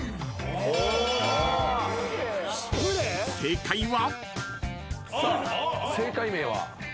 ［正解は］